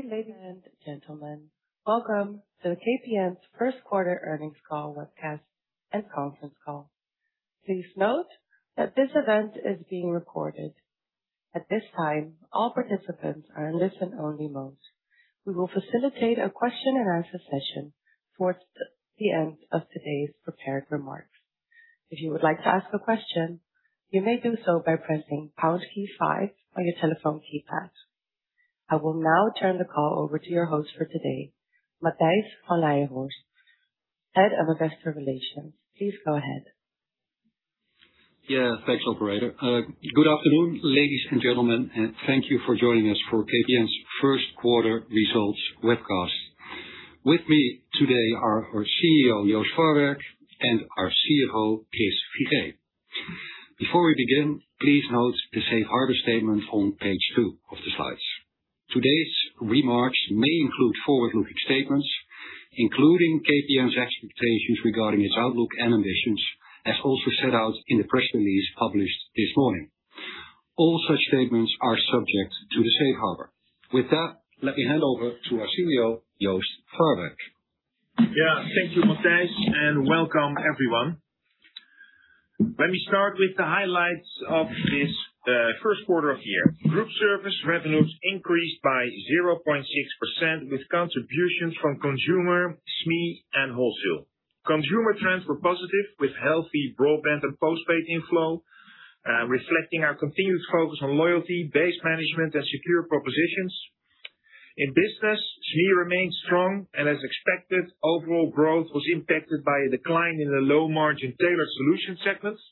Good day, ladies and gentlemen. Welcome to the KPN's first quarter earnings call webcast and conference call. Please note that this event is being recorded. At this time, all participants are in listen only mode. We will facilitate a question-and-answer session towards the end of today's prepared remarks. If you would like to ask a question, you may do so by pressing pound key five on your telephone keypad. I will now turn the call over to your host for today, Matthijs van Leijenhorst, Head of Investor Relations. Please go ahead. Thanks, operator. Good afternoon, ladies and gentlemen, thank you for joining us for KPN's first quarter results webcast. With me today are our CEO, Joost Farwerck, and our CFO, Chris Figee. Before we begin, please note the safe harbor statement on page 2 of the slides. Today's remarks may include forward-looking statements, including KPN's expectations regarding its outlook and ambitions, as also set out in the press release published this morning. All such statements are subject to the safe harbor. With that, let me hand over to our CEO, Joost Farwerck. Yeah. Thank you, Matthijs, and welcome everyone. Let me start with the highlights of this first quarter of the year. Group service revenues increased by 0.6% with contributions from Consumer, SME, and Wholesale. Consumer trends were positive with healthy broadband and postpaid inflow, reflecting our continued focus on loyalty, base management, and secure propositions. In Business, SME remains strong, and as expected, overall growth was impacted by a decline in the low-margin Tailored Solutions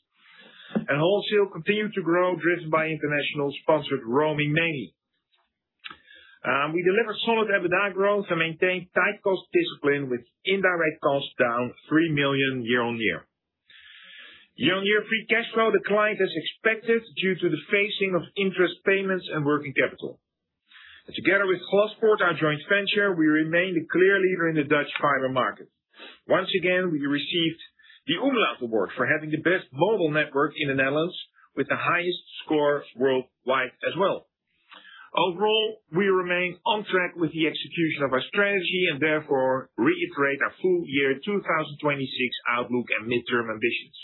segment. Wholesale continued to grow, driven by international sponsored roaming mainly. We delivered solid EBITDA growth and maintained tight cost discipline with indirect costs down 3 million year-on-year. Year-on-year free cash flow declined as expected, due to the phasing of interest payments and working capital. Together with Glaspoort, our joint venture, we remain the clear leader in the Dutch fiber market. Once again, we received the Ookla award for having the best mobile network in the Netherlands with the highest score worldwide as well. Overall, we remain on track with the execution of our strategy and therefore reiterate our full year 2026 outlook and midterm ambitions.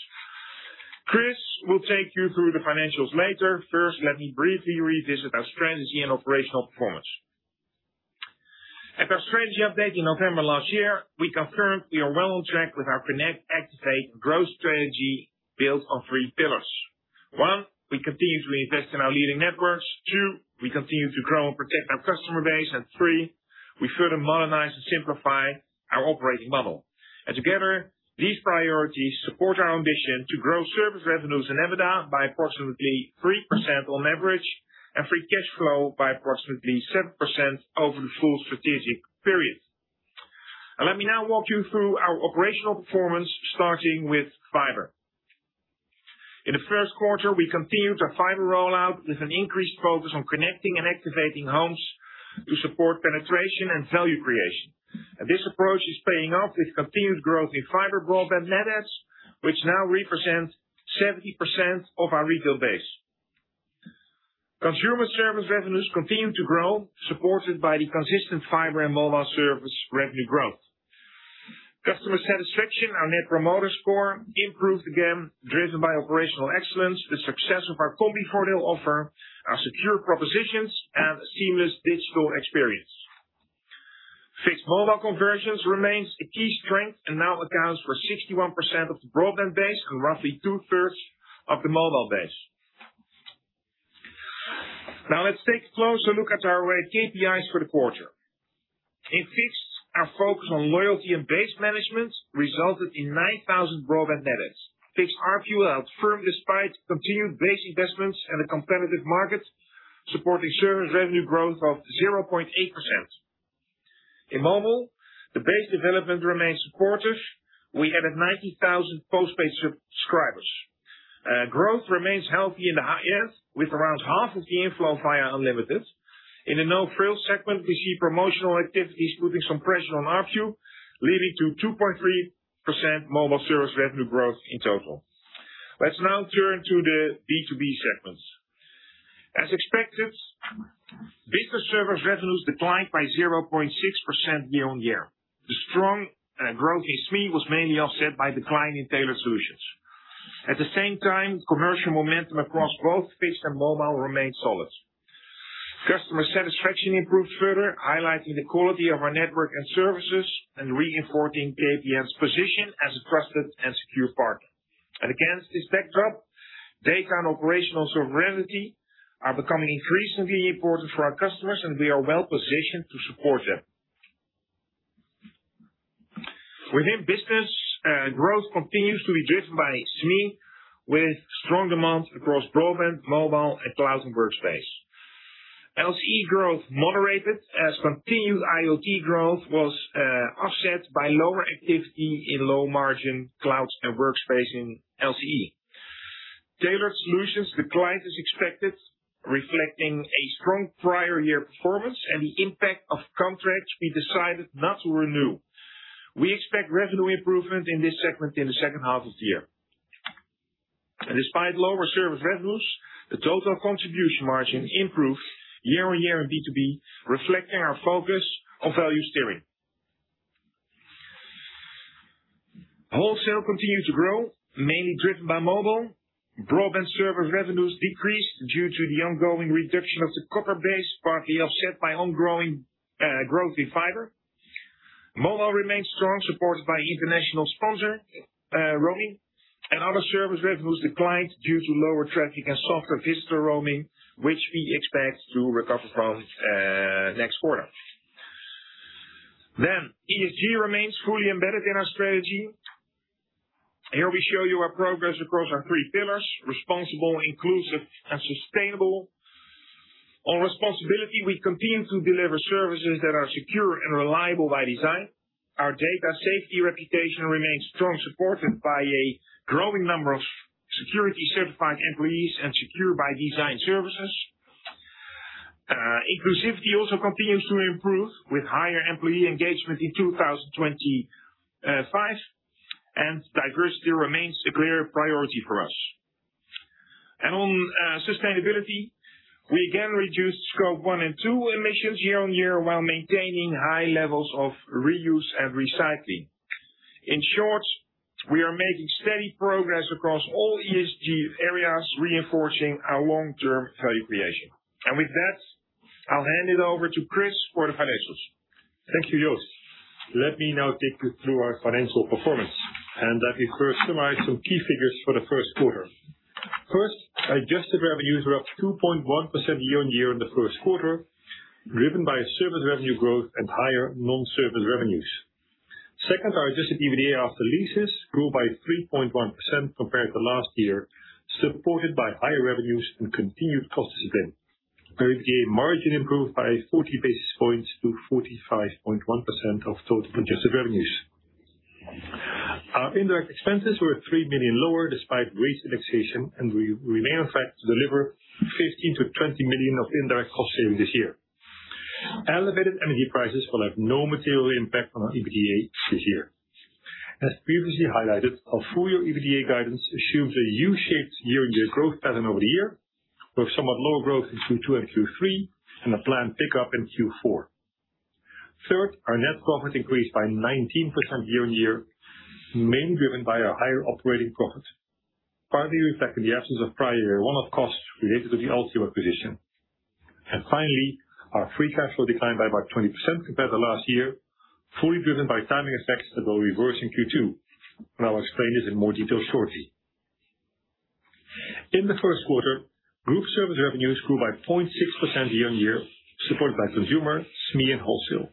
Chris will take you through the financials later. First, let me briefly revisit our strategy and operational performance. At our strategy update in November last year, we confirmed we are well on track with our Connect, Activate, Grow strategy built on three pillars. One, we continue to invest in our leading networks. Two, we continue to grow and protect our customer base. Three, we further modernize and simplify our operating model. Together, these priorities support our ambition to grow service revenues and EBITDA by approximately 3% on average, and free cash flow by approximately 7% over the full strategic period. Let me now walk you through our operational performance, starting with fiber. In the 1st quarter, we continued our fiber rollout with an increased focus on connecting and activating homes to support penetration and value creation. This approach is paying off with continued growth in fiber broadband net adds, which now represent 70% of our retail base. Consumer service revenues continue to grow, supported by the consistent fiber and mobile service revenue growth. Customer satisfaction, our net promoter score improved again, driven by operational excellence, the success of our Combivoordeel offer, our secure propositions and a seamless digital experience. Fixed mobile conversions remains a key strength and now accounts for 61% of the broadband base and roughly 2/3 of the mobile base. Let's take a closer look at our KPIs for the quarter. In fixed, our focus on loyalty and base management resulted in 9,000 broadband net adds. Fixed ARPU held firm despite continued base investments in a competitive market, supporting service revenue growth of 0.8%. In mobile, the base development remains supportive. We added 90,000 postpaid subscribers. Growth remains healthy in the high-end, with around half of the inflow via unlimited. In the no-frills segment, we see promotional activities putting some pressure on ARPU, leading to 2.3% mobile service revenue growth in total. Let's now turn to the B2B segments. As expected, business service revenues declined by 0.6% year-on-year. The strong growth in SME was mainly offset by decline in Tailored Solutions. At the same time, commercial momentum across both fixed and mobile remained solid. Customer satisfaction improved further, highlighting the quality of our network and services and reinforcing KPN's position as a trusted and secure partner. Against this backdrop, data and operational sovereignty are becoming increasingly important for our customers, and we are well positioned to support them. Within business, growth continues to be driven by SME, with strong demand across broadband, mobile, and clouds and workspace. LCE growth moderated as continued IoT growth was offset by lower activity in low-margin clouds and workspace in LCE. Tailored Solutions declined as expected, reflecting a strong prior year performance and the impact of contracts we decided not to renew. We expect revenue improvement in this segment in the second half of the year. Despite lower service revenues, the total contribution margin improved year-on-year in B2B, reflecting our focus on value steering. Wholesale continued to grow, mainly driven by mobile. Broadband service revenues decreased due to the ongoing reduction of the copper base, partly offset by ongoing growth in fiber. Mobile remains strong, supported by international sponsor roaming. Other service revenues declined due to lower traffic and softer visitor roaming, which we expect to recover from next quarter. ESG remains fully embedded in our strategy. Here we show you our progress across our three pillars: responsible, inclusive, and sustainable. On responsibility, we continue to deliver services that are secure and reliable by design. Our data safety reputation remains strong, supported by a growing number of security certified employees and secure-by-design services. Inclusivity also continues to improve with higher employee engagement in 2025, and diversity remains a clear priority for us. On sustainability, we again reduced scope one and two emissions year on year while maintaining high levels of reuse and recycling. In short, we are making steady progress across all ESG areas, reinforcing our long-term value creation. With that, I'll hand it over to Chris for the financials. Thank you, Jos. Let me now take you through our financial performance. Let me first summarize some key figures for the first quarter. First, adjusted revenues were up 2.1% year-on-year in the first quarter, driven by service revenue growth and higher non-service revenues. Second, our adjusted EBITDA after leases grew by 3.1% compared to last year, supported by higher revenues and continued cost discipline. Our EBITDA margin improved by 40 basis points to 45.1% of total adjusted revenues. Our indirect expenses were 3 million lower despite wage indexation, and we remain on track to deliver 15 million-20 million of indirect cost savings this year. Elevated energy prices will have no material impact on our EBITDA this year. As previously highlighted, our full year EBITDA guidance assumes a U-shaped year-on-year growth pattern over the year, with somewhat lower growth in Q2 and Q3 and a planned pickup in Q4. Third, our net profit increased by 19% year-on-year, mainly driven by our higher operating profit, partly reflecting the absence of prior one-off costs related to the Altice acquisition. Finally, our free cash flow declined by about 20% compared to last year, fully driven by timing effects that will reverse in Q2, and I'll explain this in more detail shortly. In the first quarter, group service revenues grew by 0.6% year-on-year, supported by Consumer, SME, and Wholesale.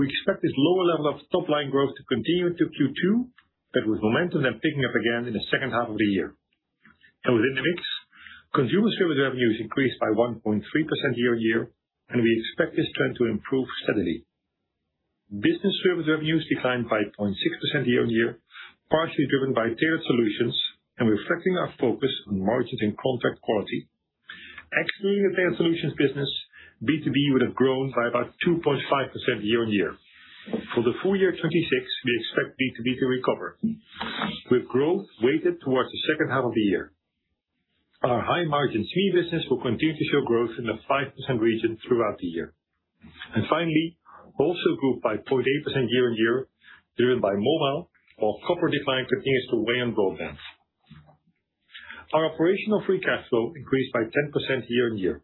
We expect this lower level of top-line growth to continue into Q2, but with momentum then picking up again in the second half of the year. Within the mix, Consumer service revenues increased by 1.3% year-on-year, and we expect this trend to improve steadily. Business service revenues declined by 0.6% year-on-year, partially driven by Tailored Solutions and reflecting our focus on margins and contract quality. Excluding the Tailored Solutions business, B2B would have grown by about 2.5% year-on-year. For the full year 2026, we expect B2B to recover, with growth weighted towards the second half of the year. Our high-margin SME business will continue to show growth in the 5% region throughout the year. Finally, Wholesale grew by 0.8% year-on-year, driven by mobile, while copper decline continues to weigh on broadband. Our operational free cash flow increased by 10% year-on-year.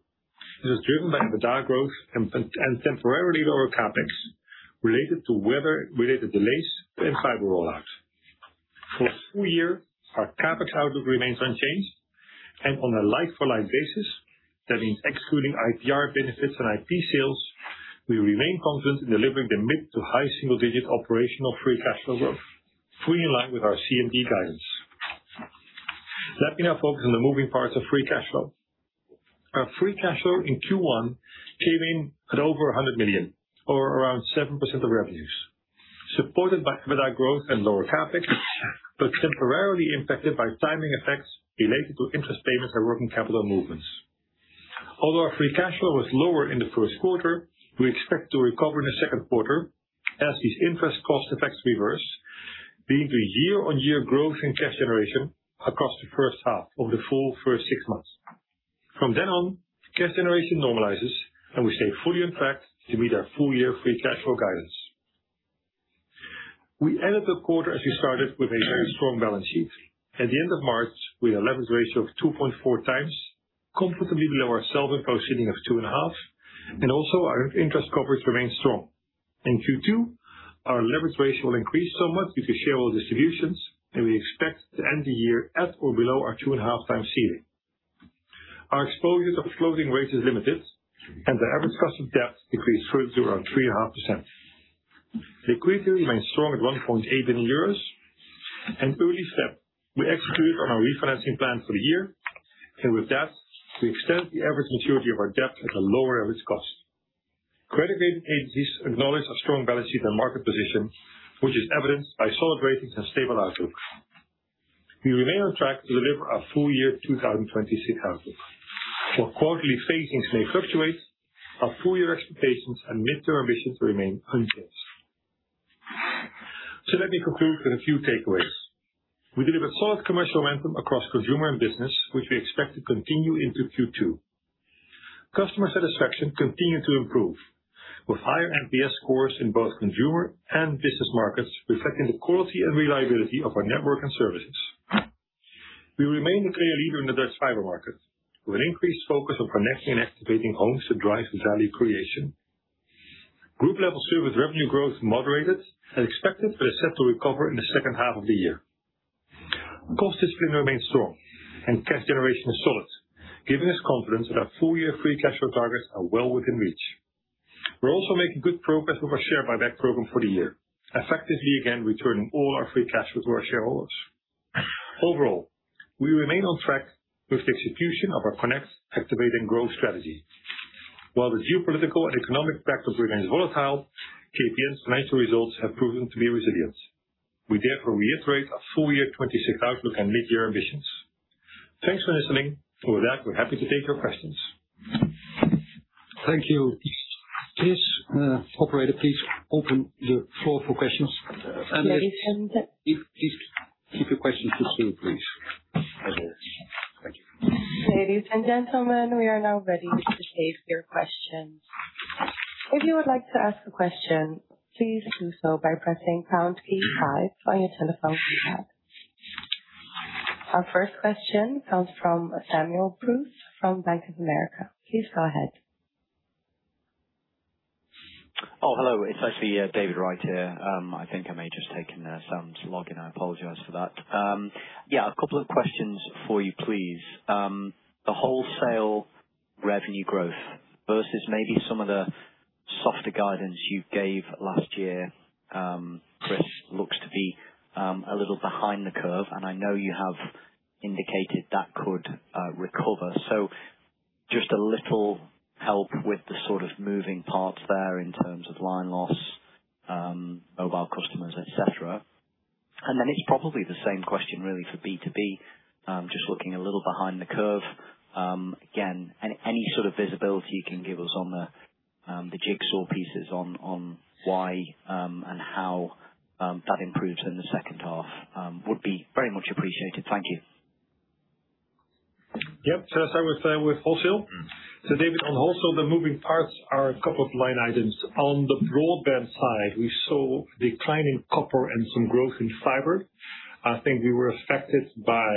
It was driven by EBITDA growth and temporarily lower CapEx related to weather-related delays and fiber rollouts. For the full year, our CapEx outlook remains unchanged. On a like-for-like basis, that means excluding IPR benefits and IP sales, we remain confident in delivering the mid to high single-digit operational free cash flow growth, fully in line with our CMD guidance. Let me now focus on the moving parts of free cash flow. Our free cash flow in Q1 came in at over 100 million or around 7% of revenues, supported by EBITDA growth and lower CapEx, but temporarily impacted by timing effects related to interest payments and working capital movements. Although our free cash flow was lower in the first quarter, we expect to recover in the second quarter as these interest cost effects reverse, leading to year-on-year growth in cash generation across the first half of the full first six months. From then on, cash generation normalizes, and we stay fully on track to meet our full year free cash flow guidance. We ended the quarter as we started with a very strong balance sheet. At the end of March, we had a leverage ratio of 2.4x, comfortably below our self-imposed ceiling of 2.5x, and also our interest coverage remains strong. In Q2, our leverage ratio will increase somewhat due to shareholder distributions, and we expect to end the year at or below our 2.5x ceiling. Our exposure to floating rates is limited, and our average cost of debt decreased further to around 3.5%. Equity remains strong at 1.8 billion euros. Early February, we executed on our refinancing plan for the year, and with that, we extend the average maturity of our debt at a lower risk cost. Credit rating agencies acknowledge a strong balance sheet and market position, which is evidenced by solid ratings and stable outlooks. We remain on track to deliver our full year 2026 outlook. While quarterly phasings may fluctuate, our full year expectations and midterm ambitions remain unchanged. Let me conclude with a few takeaways. We delivered solid commercial momentum across consumer and business, which we expect to continue into Q2. Customer satisfaction continued to improve with higher NPS scores in both consumer and business markets, reflecting the quality and reliability of our network and services. We remain the clear leader in the Dutch fiber market with an increased focus on connecting and activating homes to drive value creation. Group level service revenue growth moderated as expected, but is set to recover in the second half of the year. Cost discipline remains strong and cash generation is solid, giving us confidence that our full year free cash flow targets are well within reach. We're also making good progress with our share buyback program for the year, effectively again, returning all our free cash flow to our shareholders. Overall, we remain on track with the execution of our Connect, Activate, Grow strategy. While the geopolitical and economic backdrop remains volatile, KPN's financial results have proven to be resilient. We therefore reiterate our full year 2026 outlook and mid-year ambitions. Thanks for listening. With that, we're happy to take your questions. Thank you. Please, operator, please open the floor for questions. Please keep your questions to two please. Thank you. Ladies and gentlemen, we are now ready to take your questions. If you would like to ask a question, please do so by pressing pound key five on your telephone keypad. Our first question comes from Samuel Bruce from Bank of America. Please go ahead. Oh, hello. It's actually David Wright here. I think I may just taken Sam's login. I apologize for that. Yeah, a couple of questions for you please. The wholesale revenue growth versus maybe some of the softer guidance you gave last year, Chris, looks to be a little behind the curve, and I know you have indicated that could recover. Just a little help with the sort of moving parts there in terms of line loss, mobile customers, etc. It's probably the same question really for B2B. Just looking a little behind the curve. Any sort of visibility you can give us on the jigsaw pieces on why and how that improves in the second half would be very much appreciated. Thank you. Yep. As I was saying with Wholesale. David, on Wholesale, the moving parts are a couple of line items. On the broadband side, we saw declining copper and some growth in fiber. I think we were affected by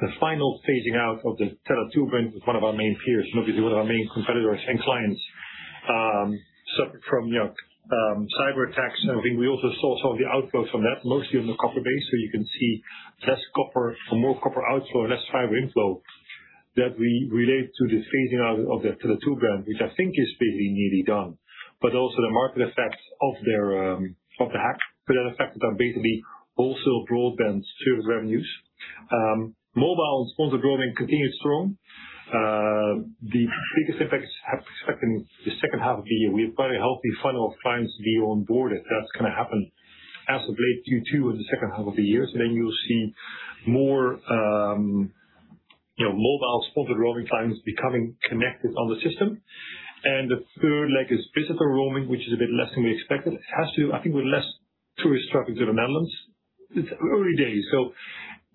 the final phasing out of the Tele2 brand with one of our main peers, one of our main competitors and clients, suffered from, you know, cyberattacks and everything. We also saw some of the outflows from that, mostly on the copper base. You can see less copper or more copper outflow or less fiber inflow that we relate to the phasing out of the Tele2 brand, which I think is pretty nearly done. Also the market effects of their of the hack could have affected our B2B wholesale broadband service revenues. Mobile sponsored roaming continued strong. The biggest impacts are expected in the second half of the year. We have quite a healthy funnel of clients to be onboarded. That's gonna happen as of late Q2 or the second half of the year. You'll see more, you know, mobile sponsored roaming clients becoming connected on the system. The third leg is visitor roaming, which is a bit less than we expected. It has to, I think, with less tourist traffic to the Netherlands. It's early days.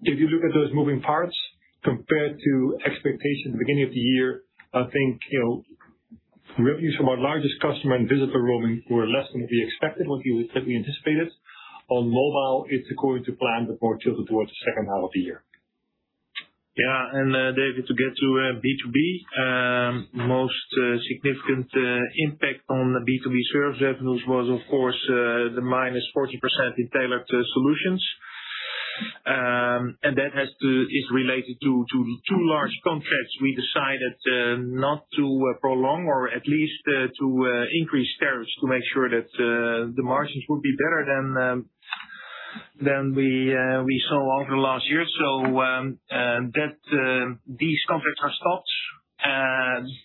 If you look at those moving parts compared to expectations at the beginning of the year, I think, you know, revenues from our largest customer and visitor roaming were less than we expected, what we certainly anticipated. On mobile, it's according to plan, but more tilted towards the second half of the year. Yeah. David, to get to B2B, most significant impact on the B2B service revenues was of course, the -40% in Tailored Solutions. That is related to two large contracts we decided not to prolong or at least to increase tariffs to make sure that the margins would be better than we saw over the last year. That these contracts are stopped.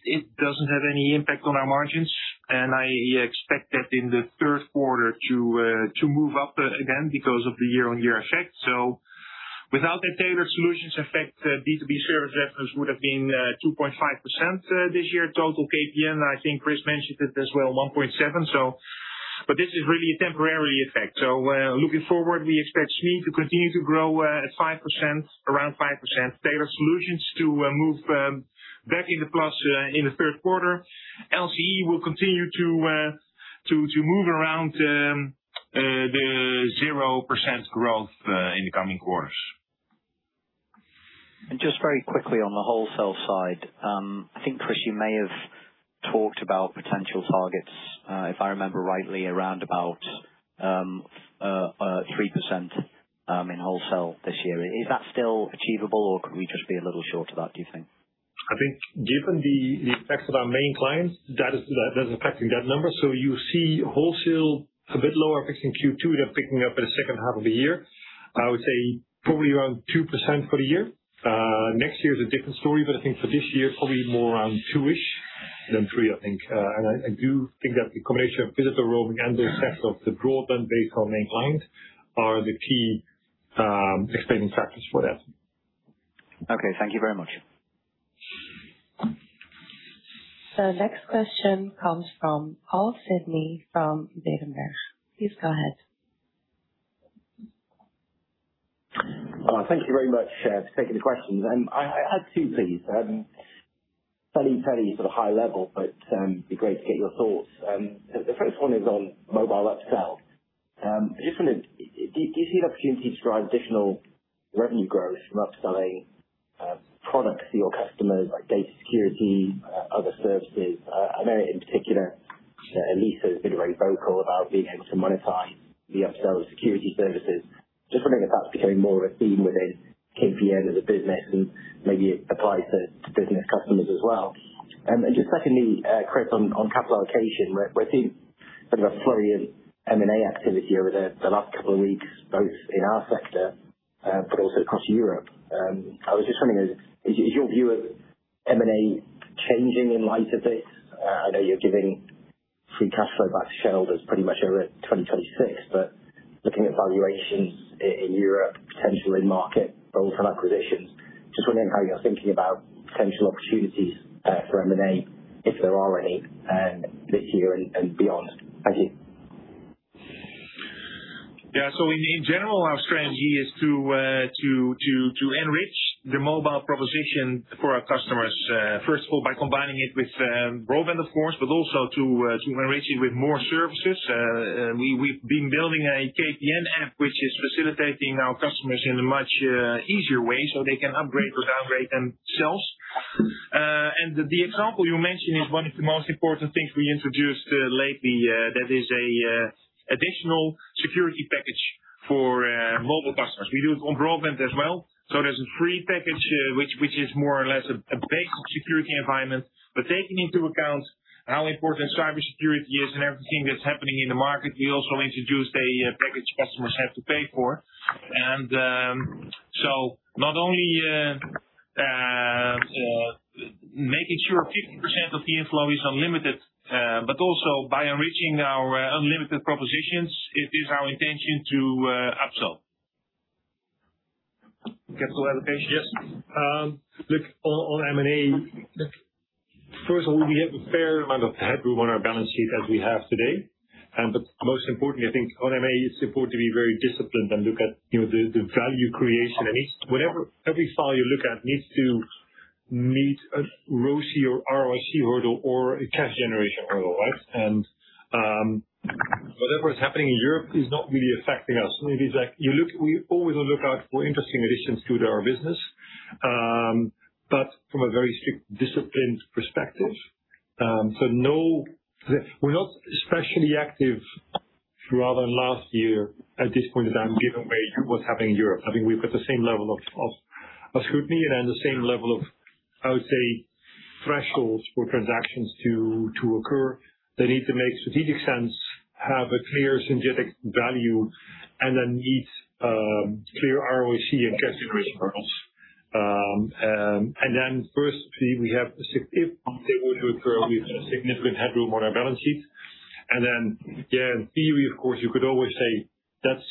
It doesn't have any impact on our margins, and I expect that in the third quarter to move up again because of the year-on-year effect. Without the Tailored Solutions effect, B2B service revenues would have been 2.5% this year. Total KPN, I think Chris mentioned it as well, 1.7%. This is really a temporary effect. Looking forward, we expect SME to continue to grow at 5%, around 5%. Tailored Solutions to move back in the plus in the third quarter. LCE will continue to move around the 0% growth in the coming quarters. Just very quickly on the Wholesale side, I think, Chris, you may have talked about potential targets, if I remember rightly, around about 3% in wholesale this year. Is that still achievable, or could we just be a little short of that, do you think? I think given the effects of our main clients, that is affecting that number. You see wholesale a bit lower fixing Q2, then picking up in the second half of the year. I would say probably around 2% for the year. Next year is a different story, I think for this year, probably more around 2%-ish than 3%, I think. And I do think that the combination of visitor roaming and the effect of the broadband base on main clients are the key explaining factors for that. Okay. Thank you very much. The next question comes from Paul Sidney from Berenberg. Please go ahead. Thank you very much for taking the questions. I have two things. Fairly sort of high level, but it'd be great to get your thoughts. The first one is on mobile upsell. I just wondered, do you see an opportunity to drive additional revenue growth from upselling products to your customers like data security, other services? I know in particular that Elisa has been very vocal about being able to monetize the upsell of security services. Just wondering if that's becoming more of a theme within KPN as a Business, and maybe it applies to Business customers as well. Just secondly, Chris, on capital allocation. We're seeing sort of a flurry of M&A activity over the last couple of weeks, both in our sector, but also across Europe. I was just wondering, is your view of M&A changing in light of this? I know you're giving free cash flow back to shareholders pretty much over 2026, but looking at valuations in Europe, potentially in market both on acquisitions, just wondering how you're thinking about potential opportunities for M&A, if there are any, this year and beyond. Thank you. Yeah. In general, our strategy is to enrich the mobile proposition for our customers, first of all, by combining it with broadband, of course, but also to enrich it with more services. We've been building a KPN app which is facilitating our customers in a much easier way, so they can upgrade or downgrade themselves. The example you mentioned is one of the most important things we introduced lately, that is an additional security package for mobile customers. We do it on broadband as well. There's a free package which is more or less a basic security environment. Taking into account how important cybersecurity is and everything that's happening in the market, we also introduced a package customers have to pay for. Not only making sure 50% of the inflow is unlimited, but also by enriching our unlimited propositions, it is our intention to upsell. Capital allocation? Yes. Look, on M&A. First of all, we have a fair amount of headroom on our balance sheet as we have today. Most importantly, I think on M&A it's important to be very disciplined and look at, you know, the value creation. I mean, every file you look at needs to meet a ROIC hurdle or a cash generation hurdle, right? Whatever is happening in Europe is not really affecting us. I mean, it's like we always look out for interesting additions to our business from a very strict disciplined perspective. No. We're not especially active throughout last year at this point in time, given what's happening in Europe. I mean, we've got the same level of scrutiny and the same level of, I would say, thresholds for transactions to occur. They need to make strategic sense, have a clear synergetic value, meet clear ROIC and cash generation hurdles. Firstly, we have the significant headroom on our balance sheet. Yeah, in theory, of course, you could always say that's,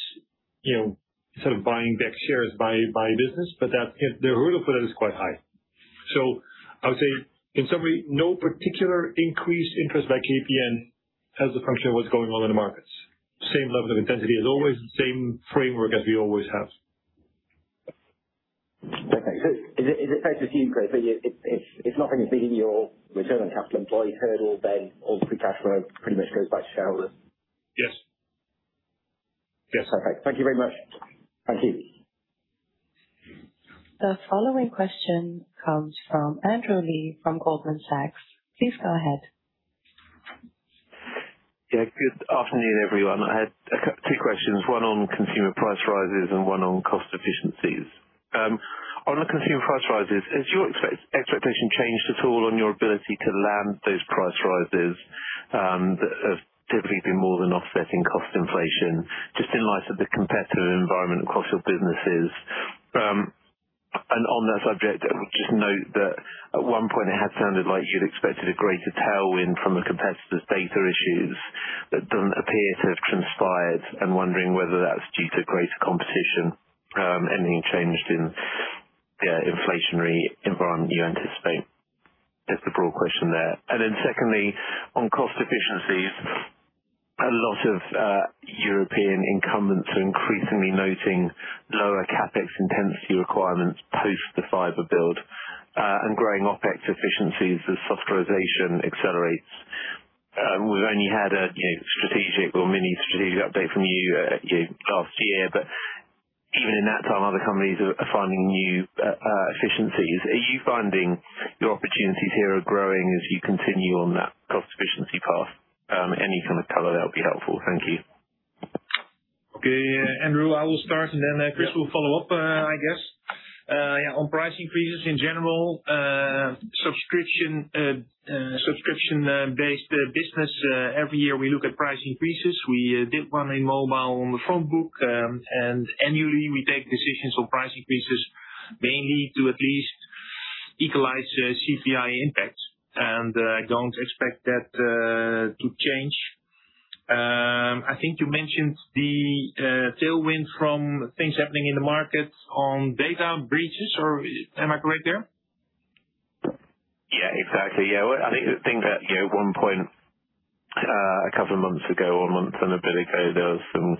you know, sort of buying back shares by business, but that's the hurdle for that is quite high. I would say in summary, no particular increased interest by KPN as a function of what's going on in the markets. Same level of intensity as always, the same framework as we always have. Okay. Is it fair to assume, Chris, that if nothing is beating your return on capital employee hurdle, then all the free cash flow pretty much goes back to shareholders? Yes. Yes. Okay. Thank you very much. Thank you. The following question comes from Andrew Lee from Goldman Sachs. Please go ahead. Yeah, good afternoon, everyone. I had two questions, one on consumer price rises and one on cost efficiencies. On the consumer price rises, has your expectation changed at all on your ability to land those price rises that have typically been more than offsetting cost inflation, just in light of the competitive environment across your businesses? On that subject, just note that at one point it had sounded like you'd expected a greater tailwind from a competitor's data issues that doesn't appear to have transpired. I'm wondering whether that's due to greater competition, anything changed in the inflationary environment you anticipate? Just a broad question there. Secondly, on cost efficiencies, a lot of European incumbents are increasingly noting lower CapEx intensity requirements post the fiber build and growing OpEx efficiencies as softwarization accelerates. We've only had a, you know, strategic or mini strategic update from you know, last year. Even in that time, other companies are finding new efficiencies. Are you finding your opportunities here are growing as you continue on that cost efficiency path? Any kind of color there will be helpful. Thank you. Okay, Andrew, I will start, and then Chris will follow up, I guess. On price increases in general, subscription-based business, every year we look at price increases. We did one in mobile on the phone book. Annually, we take decisions on price increases, mainly to at least equalize CPI impact. I don't expect that to change. I think you mentioned the tailwind from things happening in the market on data breaches or, am I correct there? Yeah, exactly. Yeah. I think the thing that, you know, one point, a couple of months ago or a month and a bit ago, there was some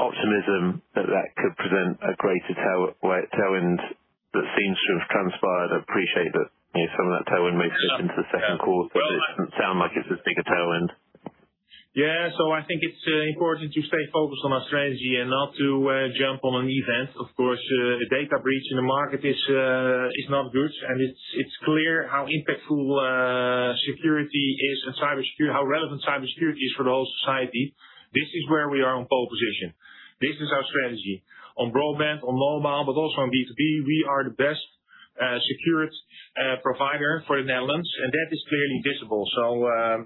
optimism that that could present a greater tailwind that seems to have transpired. I appreciate that, you know, some of that tailwind may slip into the second quarter. It doesn't sound like it's as big a tailwind. Yeah. I think it's important to stay focused on our strategy and not to jump on an event. Of course, the data breach in the market is not good, and it's clear how impactful security is and how relevant cybersecurity is for the whole society. This is where we are on pole position. This is our strategy. On broadband, on mobile, but also on B2B, we are the best secured provider for the Netherlands, and that is clearly visible.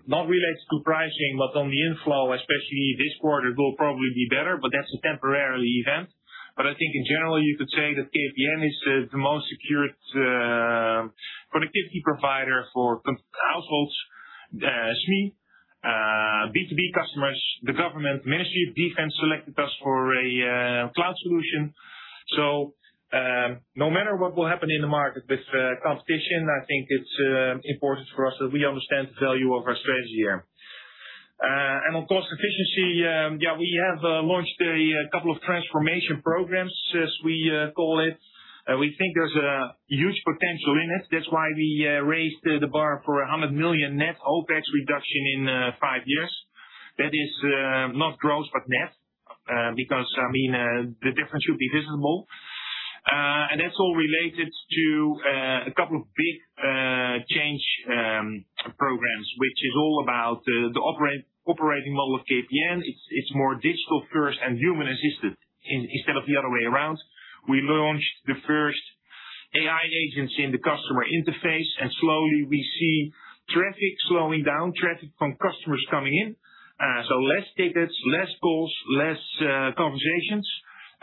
Not related to pricing, but on the inflow, especially this quarter will probably be better, but that's a temporary event. I think in general, you could say that KPN is the most secured productivity provider for households, SME, B2B customers. The government, Ministry of Defence selected us for a cloud solution. No matter what will happen in the market with competition, I think it's important for us that we understand the value of our strategy here. On cost efficiency, we have launched a couple of transformation programs, as we call it. We think there's a huge potential in it. That's why we raised the bar for 100 million net OpEx reduction in five years. That is not gross, but net, because, I mean, the difference should be visible. That's all related to a couple of big change programs, which is all about the operating model of KPN. It's more digital first and human assisted instead of the other way around. We launched the first AI agents in the customer interface, and slowly we see traffic slowing down, traffic from customers coming in. Less tickets, less calls, less conversations.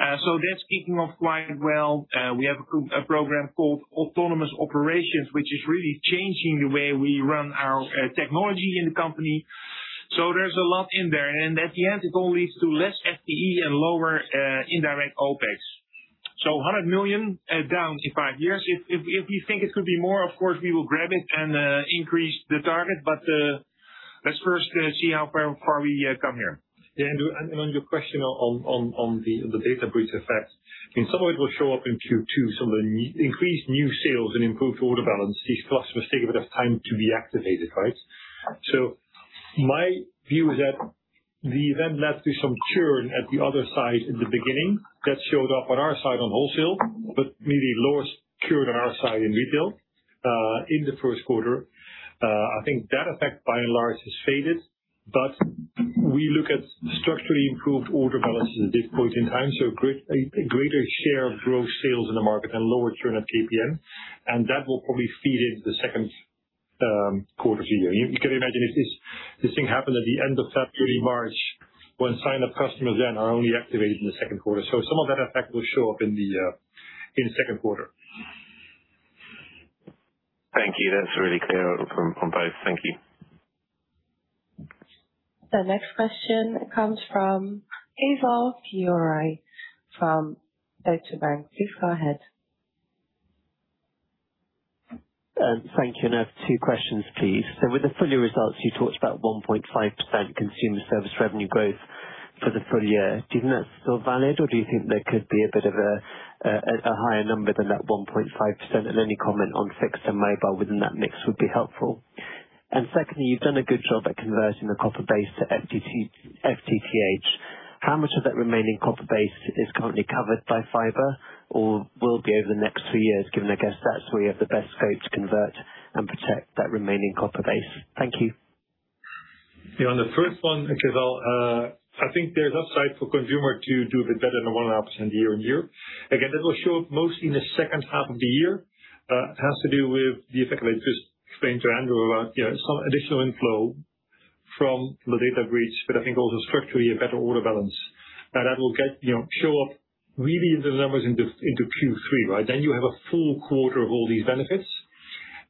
That's kicking off quite well. We have a program called Autonomous Operations, which is really changing the way we run our technology in the company. There's a lot in there. At the end, it all leads to less FTE and lower indirect OpEx. 100 million down in five years. If we think it could be more, of course, we will grab it and increase the target. Let's first see how far we come here. Yeah. On your question on the data breach effect, I mean, some of it will show up in Q2, some of the increased new sales and improved order balance. These customers take a bit of time to be activated, right? My view is that the event led to some churn at the other side in the beginning. That showed up on our side on wholesale, but maybe lower churn on our side in retail in the first quarter. I think that effect by and large has faded. We look at structurally improved order balances at this point in time, so a greater share of growth sales in the market and lower churn at KPN. That will probably feed into the second quarter here. You can imagine if this thing happened at the end of February, March, when sign-up customers are only activated in the second quarter. Some of that effect will show up in the second quarter. Thank you. That's really clear from both. Thank you. The next question comes from Keval Khiroya from Deutsche Bank. Please go ahead. Thank you. I have two questions, please. With the full-year results, you talked about 1.5% Consumer service revenue growth for the full year. Do you think that's still valid, or do you think there could be a bit of a higher number than that 1.5%? Any comment on fixed and mobile within that mix would be helpful. Secondly, you've done a good job at converting the copper base to FTTH. How much of that remaining copper base is currently covered by fiber or will be over the next three years, given I guess that's where you have the best scope to convert and protect that remaining copper base? Thank you. Yeah, on the first one, Keval, I think there's upside for consumer to do a bit better than 1.5% year-on-year. That will show up mostly in the second half of the year. It has to do with the effect that I just explained to Andrew about, you know, some additional inflow from the data breach, but I think also structurally a better order balance. That will get, you know, show up really in the numbers into Q3, right? You have a full quarter of all these benefits.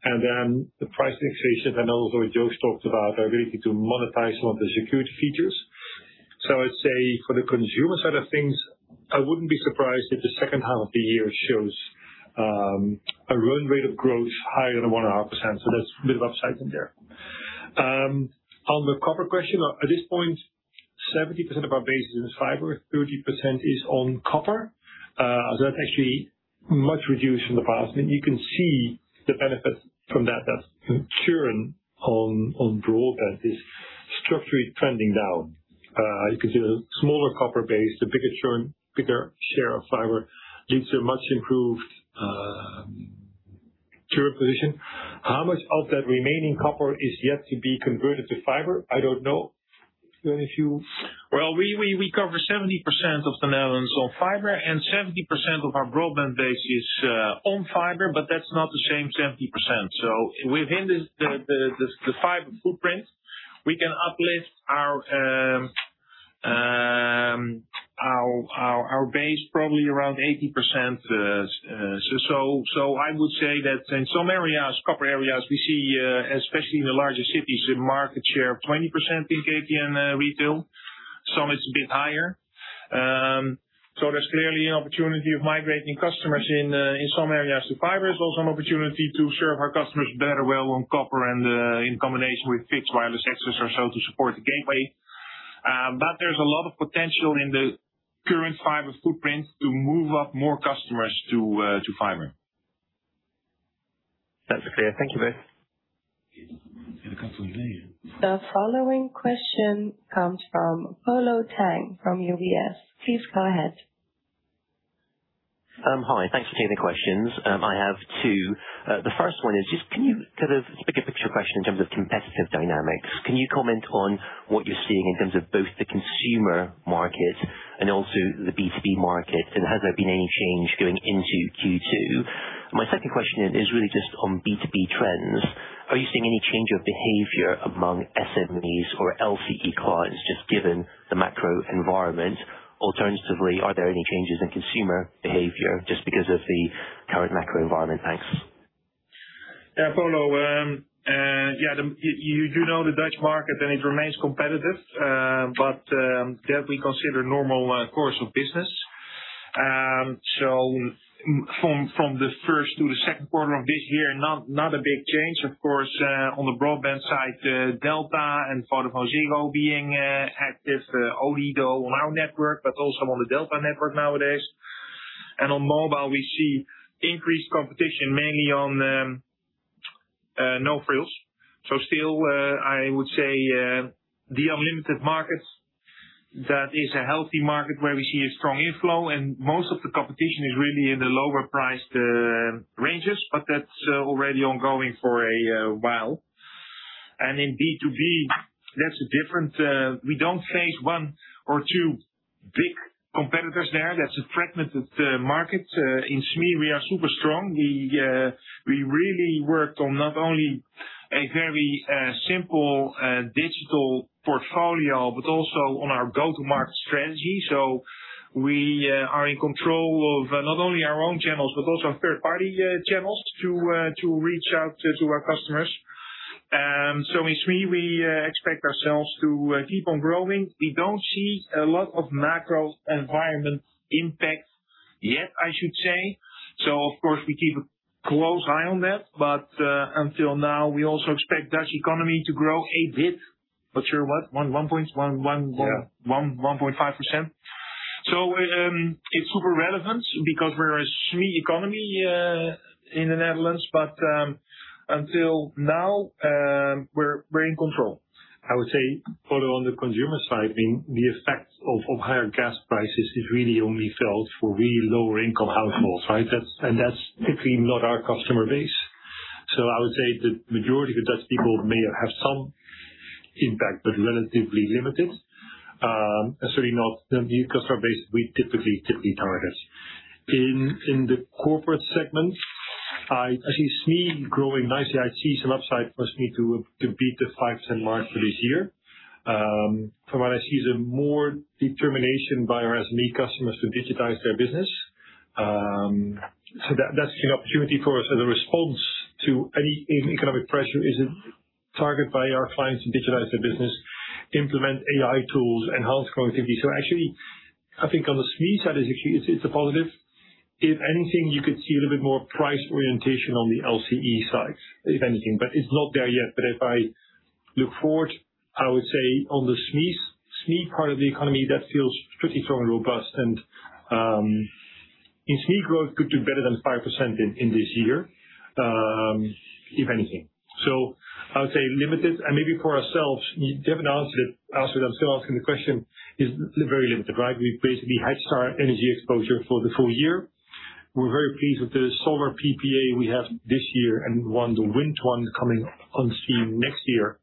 The price increases, and also Joost talked about our ability to monetize some of the security features. I'd say for the Consumer side of things, I wouldn't be surprised if the second half of the year shows a run rate of growth higher than 1.5%. There's a bit of upside in there. On the copper question, at this point, 70% of our base is in fiber, 30% is on copper. That's actually much reduced from the past. You can see the benefit from that. That churn on broadband is structurally trending down. You could do a smaller copper base. The bigger churn, bigger share of fiber leads to much improved churn position. How much of that remaining copper is yet to be converted to fiber? I don't know. Joost. Well, we cover 70% of the Netherlands on fiber, and 70% of our broadband base is on fiber, but that's not the same 70%. Within this, the fiber footprint, we can uplift our base probably around 80%. I would say that in some areas, copper areas, we see, especially in the larger cities, a market share of 20% in KPN retail. Some it's a bit higher. There's clearly an opportunity of migrating customers in some areas to fiber. There's also an opportunity to serve our customers better well on copper and in combination with fixed wireless access or so to support the gateway. But there's a lot of potential in the current fiber footprint to move up more customers to fiber. That's clear. Thank you both. The following question comes from Polo Tang from UBS. Please go ahead. Hi. Thanks for taking the questions. I have two. The first one is just can you sort of bigger picture question in terms of competitive dynamics. Can you comment on what you're seeing in terms of both the consumer market and also the B2B market? Has there been any change going into Q2? My second question is really just on B2B trends. Are you seeing any change of behavior among SMEs or LCE clients just given the macro environment? Alternatively, are there any changes in consumer behavior just because of the current macro environment? Thanks. Yeah, Polo. You do know the Dutch market and it remains competitive. That we consider normal course of business. From the first to the second quarter of this year, not a big change. Of course, on the broadband side, Delta and VodafoneZiggo being active. Odido on our network, but also on the Delta network nowadays. On mobile we see increased competition mainly on no frills. Still, I would say, the unlimited market, that is a healthy market where we see a strong inflow and most of the competition is really in the lower priced ranges, but that's already ongoing for a while. In B2B that's different. We don't face one or two big competitors there. That's a fragmented market. In SME we are super strong. We really worked on not only a very simple digital portfolio, but also on our go-to-market strategy. We are in control of not only our own channels but also third party channels to reach out to our customers. In SME we expect ourselves to keep on growing. We don't see a lot of macro environment impact yet, I should say. Of course, we keep a close eye on that. Until now, we also expect Dutch economy to grow a bit. You're what? 1 point 1, 1.5%. It's super relevant because we're a SME economy in the Netherlands. Until now, we're in control. I would say, Polo, on the consumer side, the effect of higher gas prices is really only felt for really lower income households, right? That's typically not our customer base. I would say the majority of Dutch people may have some impact, but relatively limited. Certainly not the customer base we typically target. In the corporate segment, I see SME growing nicely. I see some upside for SME to beat the 5% mark for this year. From what I see is a more determination by our SME customers to digitize their business. That's an opportunity for us as a response to any economic pressure is a target by our clients to digitize their business, implement AI tools, enhance productivity. Actually, I think on the SME side is actually it's a positive. If anything, you could see a little bit more price orientation on the LCE side, if anything. It's not there yet. If I look forward, I would say on the SMEs, SME part of the economy, that feels pretty strong and robust and in SME growth could do better than 5% in this year, if anything. I would say limited. Maybe for ourselves, Devon answered. I'm still asking the question. It's very limited, right? We've basically hedged our energy exposure for the full year. We're very pleased with the solar PPA we have this year and the wind one coming on stream next year.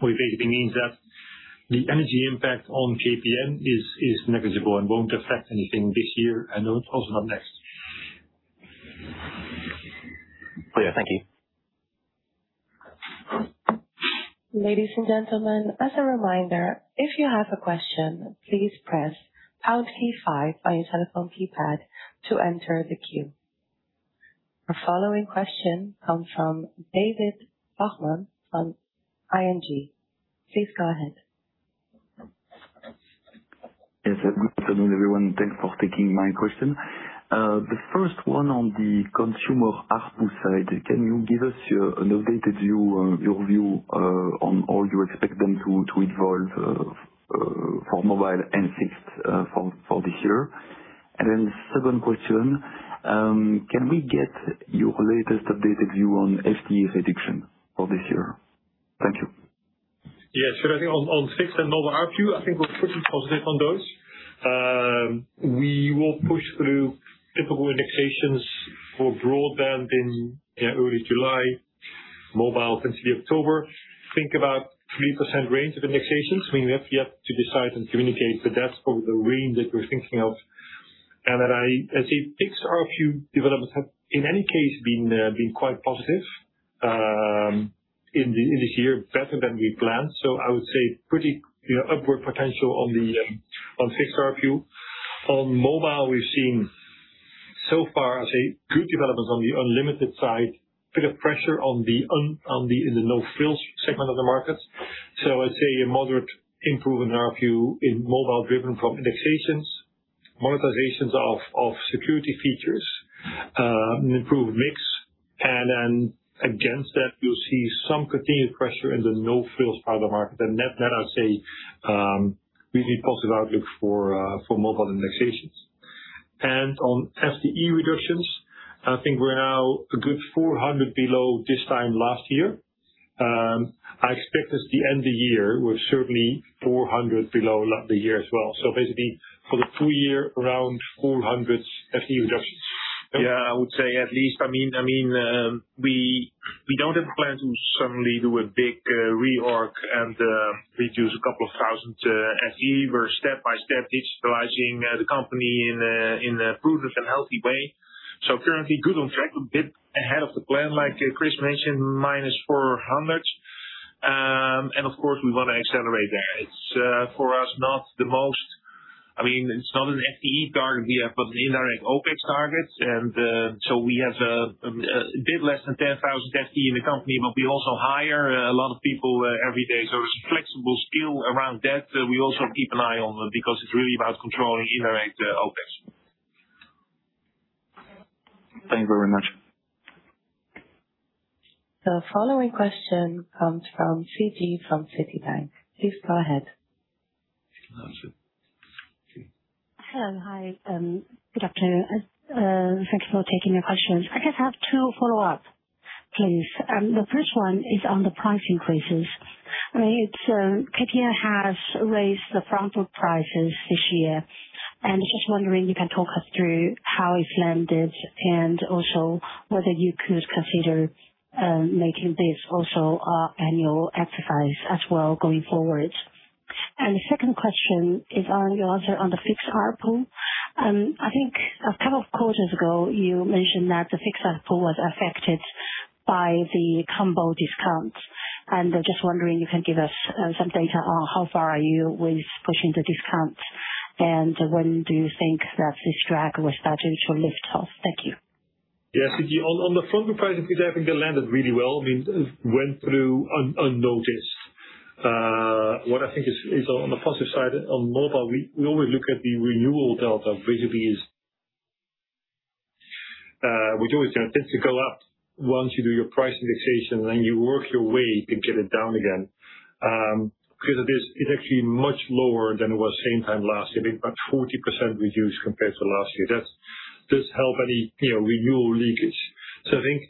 Which basically means that the energy impact on KPN is negligible and won't affect anything this year and also not next. Oh, yeah. Thank you. Ladies and gentlemen, as a reminder, if you have a question, please press pound key five on your telephone keypad to enter the queue. Our following question comes from David Vagman from ING. Please go ahead. Yes, good afternoon, everyone. Thanks for taking my question. The first one on the consumer ARPU side, can you give us an updated view, your view, on how you expect them to evolve for mobile and fixed for this year? Second question, can we get your latest updated view on FTE reduction for this year? Thank you. Yes. I think on fixed and mobile ARPU, I think we're pretty positive on those. We will push through typical indexations for broadband in early July. Mobile, 20 of October. Think about 3% range of indexations. We have yet to decide and communicate, but that's probably the range that we're thinking of. Developments have in any case been quite positive in this year, better than we planned. I would say pretty, you know, upward potential on the on fixed ARPU. On mobile, we've seen so far, I say, good developments on the unlimited side, bit of pressure in the no-frills segment of the market. I'd say a moderate improvement ARPU in mobile driven from indexations, monetizations of security features, and improved mix. Against that, you'll see some continued pressure in the no-frills part of the market. Net-net, I would say, really positive outlook for mobile indexations. On FTE reductions, I think we're now a good 400 below this time last year. I expect at the end of the year, we are certainly 400 below the year as well. Basically, for the full year, around 400 FTE reductions. Yeah, I would say at least. I mean, we don't have a plan to suddenly do a big reorg and reduce a couple of thousands FTE. We're step-by-step digitalizing the company in a prudent and healthy way. Currently good on track, a bit ahead of the plan, like Chris mentioned, -400. Of course, we wanna accelerate that. I mean, it's not an FTE target we have, but an indirect OpEx target. We have a bit less than 10,000 FTE in the company, but we also hire a lot of people every day. There's a flexible skill around that we also keep an eye on because it's really about controlling indirect OpEx. Thank you very much. The following question comes from Siyi He from Citi. Please go ahead. Hi, Siyi He. Hello. Hi, good afternoon. Thank you for taking the questions. I just have two follow-up, please. The first one is on the price increases. I mean, it's, KPN has raised the front book prices this year, and just wondering, you can talk us through how it landed and also whether you could consider, making this also a annual exercise as well going forward. The second question is on your answer on the fixed ARPU. I think a couple of quarters ago, you mentioned that the fixed ARPU was affected by the combo discount. Just wondering, you can give us, some data on how far are you with pushing the discount, and when do you think that this drag will start to lift off? Thank you. Siyi, on the front book pricing piece, I think they landed really well. I mean, it went through unnoticed. What I think is on the positive side, on mobile, we always look at the renewal delta, basically is. We do it and it tends to go up once you do your price indexation, then you work your way to get it down again. Because it is, it's actually much lower than it was same time last year, I think about 40% reduced compared to last year. That's helped any, you know, renewal leakage. I think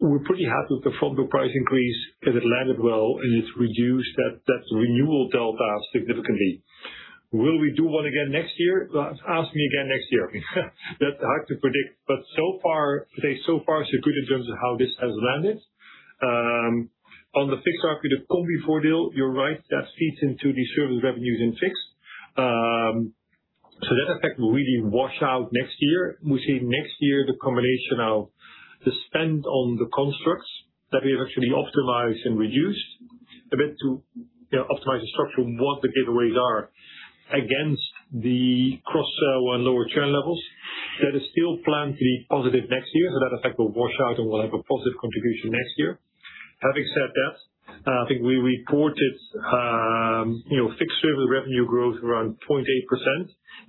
we're pretty happy with the front book price increase 'cause it landed well, and it's reduced that renewal delta significantly. Will we do one again next year? Ask me again next year. That's hard to predict. So far, I'd say so far so good in terms of how this has landed. On the fixed ARPU, the Combivoordeel, you're right, that feeds into the service revenues in fixed. That effect will really wash out next year. We see next year the combination of the spend on the constructs that we have actually optimized and reduced a bit to, you know, optimize the structure on what the giveaways are against the cross-sell and lower churn levels. That is still planned to be positive next year, so that effect will wash out, and we'll have a positive contribution next year. Having said that, I think we reported, you know, fixed service revenue growth around 0.8%.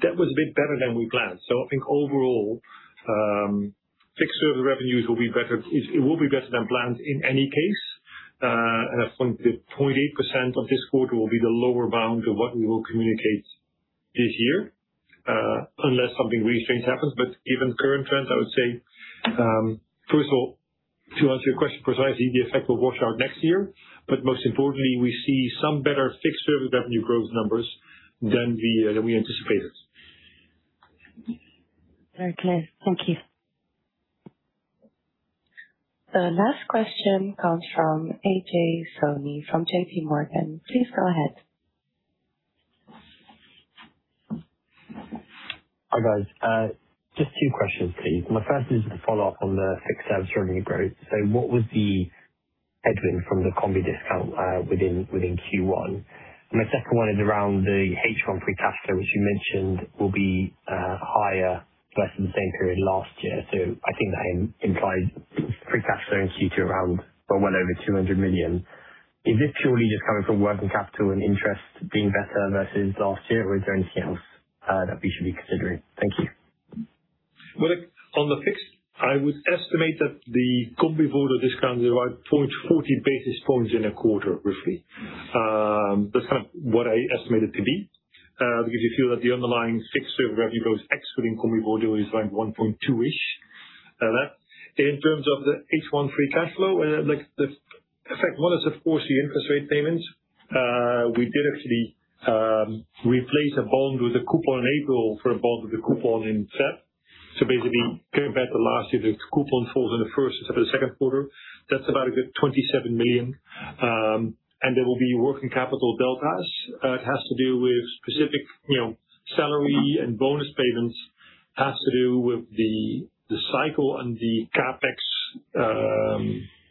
That was a bit better than we planned. I think overall, fixed service revenues will be better. It will be better than planned in any case. I think the 0.8% of this quarter will be the lower bound of what we will communicate this year, unless something really strange happens. Given current trends, I would say, first of all, to answer your question precisely, the effect will wash out next year. Most importantly, we see some better fixed service revenue growth numbers than we anticipated. Very clear. Thank you. The last question comes from Ajay Soni from JPMorgan. Please go ahead. Hi, guys. Just two questions, please. My first is a follow-up on the fixed service revenue growth. What was the headwind from the combi discount within Q1? My second one is around the H1 free cash flow, which you mentioned will be higher less than the same period last year. I think that implies free cash flow in Q2 around or well over 200 million. Is this purely just coming from working capital and interest being better versus last year or is there anything else that we should be considering? Thank you. Well, on the fixed, I would estimate that the Combivoordeel discount is about 0.40 basis points in a quarter, roughly. That's kind of what I estimate it to be, because you feel that the underlying fixed service revenue growth excluding Combivoordeel is around 1.2-ish. That in terms of the H1 free cash flow, like the effect one is of course the interest rate payments. We did actually replace a bond with a coupon in April for a bond with a coupon in Feb. Basically, comparing back to last year, the coupon falls in the first instead of the second quarter. That's about a good 27 million. There will be working capital deltas. It has to do with specific, you know, salary and bonus payments. Has to do with the cycle and the CapEx,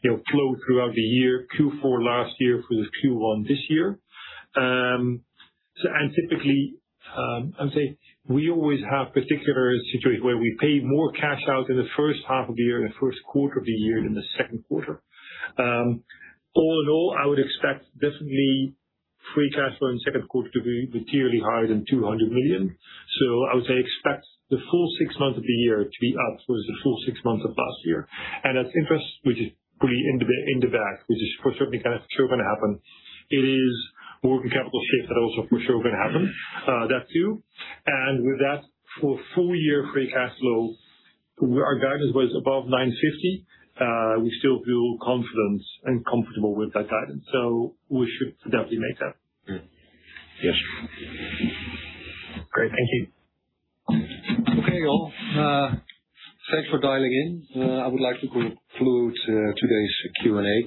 you know, flow throughout the year, Q4 last year through the Q1 this year. Typically, I would say we always have particular situation where we pay more cash out in the first half of the year, in the first quarter of the year than the second quarter. All in all, I would expect definitely free cash flow in the second quarter to be materially higher than 200 million. I would say expect the full six months of the year to be up versus the full six months of last year. That's interest, which is fully in the bag, which is for certainly kinda sure gonna happen. It is working capital shift that also for sure gonna happen, that too. With that, for full year free cash flow, our guidance was above 950. We still feel confident and comfortable with that guidance. We should definitely make that. Yeah. Yes. Great. Thank you. Okay, all. Thanks for dialing in. I would like to conclude today's Q&A.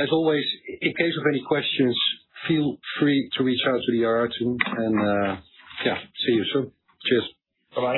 As always, in case of any questions, feel free to reach out to the IR team and, yeah, see you soon. Cheers. Bye-bye.